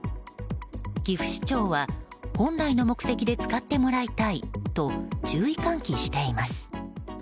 岐阜市長は本来の目的で使ってもらいたいと注意喚起しています。